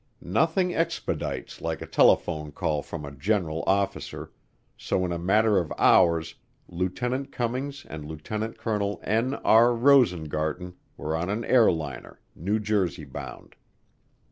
Nothing expedites like a telephone call from a general officer, so in a matter of hours Lieutenant Cummings and Lieutenant Colonel N. R. Rosengarten were on an airliner, New Jersey bound.